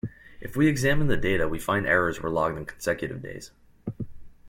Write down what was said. If we examine the data, we find errors were logged on consecutive days.